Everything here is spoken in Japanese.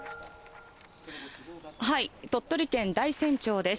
鳥取県大山町です。